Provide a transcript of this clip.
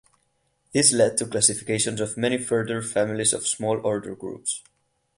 This led to classifications of many further families of small order groups.